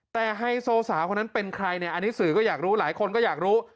แต่ไฮโซสาวคนนั้นเป็นใครเนี่ยอันนี้สื่อก็อยากรู้หลายคนก็อยากรู้